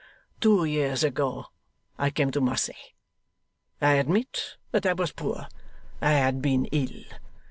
'Two years ago I came to Marseilles. I admit that I was poor; I had been ill.